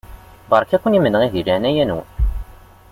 Beṛka-ken imenɣi di leɛnaya-nwen.